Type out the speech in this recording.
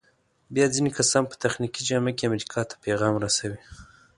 بیا ځینې کسان په تخنیکي جامه کې امریکا ته پیغام رسوي.